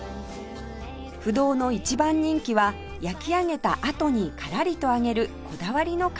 不動の一番人気は焼き上げたあとにカラリと揚げるこだわりのカレーパン